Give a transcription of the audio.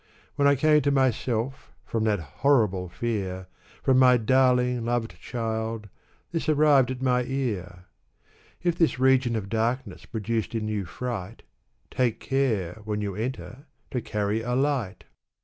When I came to myself, from that horrible fear, From my darling, loved child, this arrived at my ear :" If this region of darkness produced in you fright. Take care, when you enter, to carry a light